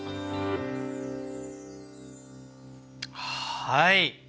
はい。